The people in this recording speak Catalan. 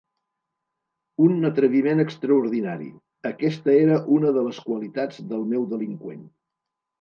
Un atreviment extraordinari: aquesta era una de les qualitats del meu delinqüent.